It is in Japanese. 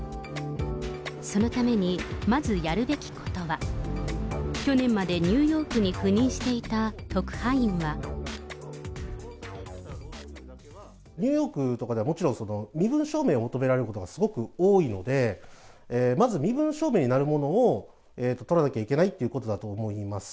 そのためにまずやるべきことは、去年までニューヨークに赴任してニューヨークとか、もちろん身分証明を求められることがすごく多いので、まず身分証明になるものを取らなきゃいけないということだと思います。